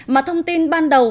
mà thông tin ban đầu